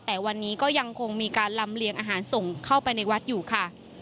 แต่วันนี้ก็ยังคงมีการลำเลียงอาหารส่งเข้าไปในวัดอยู่ค่ะ